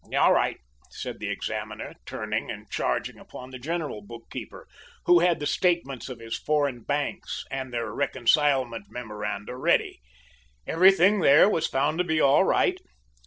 "All right," said the examiner, turning and charging upon the general bookkeeper, who had the statements of his foreign banks and their reconcilement memoranda ready. Everything there was found to be all right.